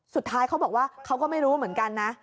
เขาบอกว่าเขาก็ไม่รู้เหมือนกันนะ